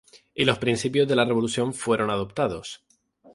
Y los principios de la revolución fueron adoptados.